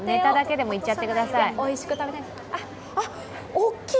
大きい！